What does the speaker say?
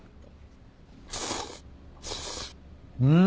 うん。